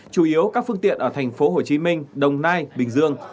chủ yếu các phương tiện ở thành phố hồ chí minh đồng nai bình dương